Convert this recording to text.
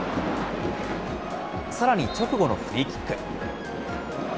さらに、直後のフリーキック。